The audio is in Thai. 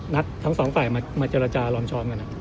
นัดทั้งสองฝ่ายมาจ่ารอมทร้องกันนะ